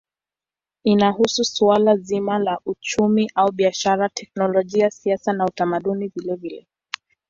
Inahusu suala zima la uchumi au biashara, teknolojia, siasa na utamaduni vilevile.